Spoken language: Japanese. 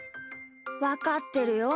わかってるよ。